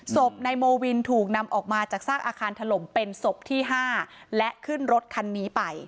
ศพนายโมวินถูกนำออกมาจากซากอาคารถล่มเป็นศพที่๕และขึ้นรถคันนี้ไป